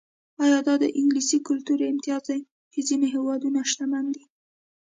ایا دا د انګلیسي کلتور امتیاز دی چې ځینې هېوادونه شتمن دي.